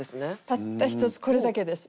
たったひとつこれだけです。